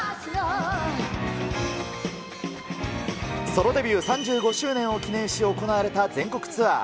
ソロデビュー３５周年を記念し、行われた全国ツアー。